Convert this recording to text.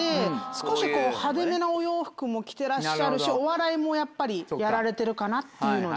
少し派手めなお洋服も着てらっしゃるしお笑いもやっぱりやられてるかなっていうので。